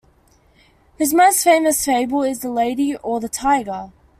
His most famous fable is The Lady, or the Tiger?